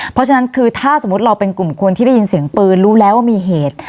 เพราะฉะนั้นคือถ้าสมมุติเราเป็นกลุ่มคนที่ได้ยินเสียงปืนรู้แล้วว่ามีเหตุ